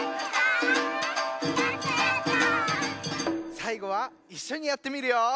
さいごはいっしょにやってみるよ！